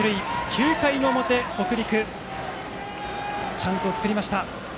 ９回の表、北陸チャンスを作りました。